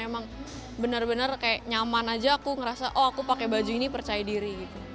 emang benar benar nyaman aja aku ngerasa oh aku pakai baju ini percaya diri